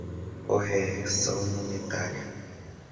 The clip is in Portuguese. correção monetária